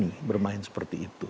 tidak berani bermain seperti itu